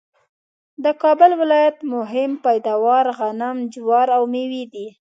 د کابل ولایت مهم پیداوار غنم ،جوار ، او مېوې دي